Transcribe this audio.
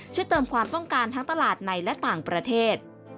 ช่วยเติมความต้องการทั้งตลาดในและต่างประเทศ